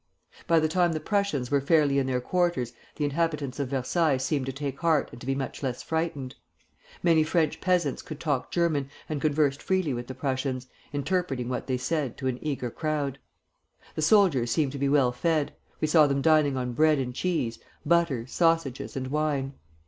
"By the time the Prussians were fairly in their quarters the inhabitants of Versailles seemed to take heart and to be much less frightened. Many French peasants could talk German, and conversed freely with the Prussians, interpreting what they said to an eager crowd. The soldiers seemed to be well fed; we saw them dining on bread and cheese, butter, sausages, and wine.